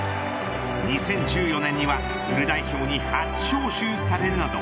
２０１４年にはフル代表に初招集されるなど